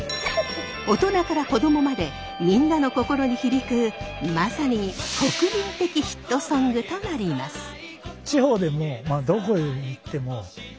大人から子供までみんなの心に響くまさに国民的ヒットソングとなります。